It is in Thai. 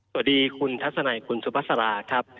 สวัสดีคุณทัศนัยคุณสุภาษาราครับ